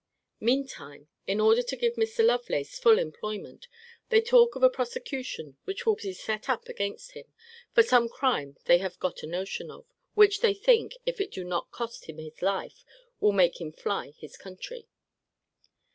Mean time, in order to give Mr. Lovelace full employment, they talk of a prosecution which will be set up against him, for some crime they have got a notion of, which they think, if it do not cost him his life, will make him fly his country.